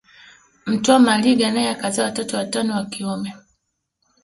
Mtwa Maliga naye akazaa watoto watano wa kiume